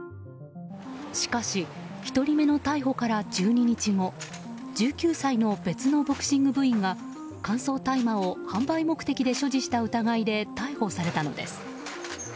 しかし１人目の逮捕から１２日後１９歳の別のボクシング部員が乾燥大麻を販売目的で所持した疑いで逮捕されました。